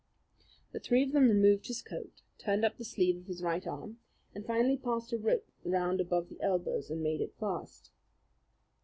The three of them removed his coat, turned up the sleeve of his right arm, and finally passed a rope round above the elbows and made it fast.